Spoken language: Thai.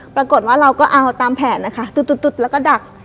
ปรากฏว่าเราก็เอาตามแผนนะคะตุ๊ดแล้วก็ดัก